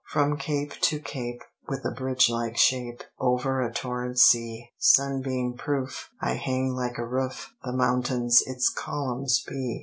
From cape to cape, with a bridge like shape, Over a torrent sea, Sunbeam proof, I hang like a roof; The mountains its columns be.